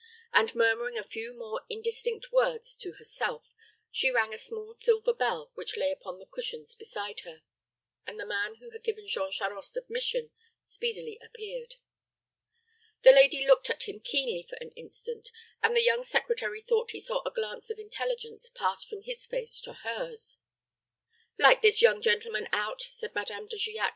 And murmuring a few more indistinct words to herself, she rang a small silver bell which lay upon the cushions beside her, and the man who had given Jean Charost admission speedily appeared. The lady looked at him keenly for an instant, and the young secretary thought he saw a glance of intelligence pass from his face to hers. "Light this young gentleman out," said Madame De Giac.